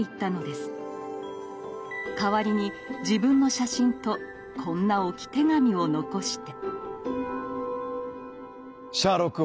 代わりに自分の写真とこんな置き手紙を残して。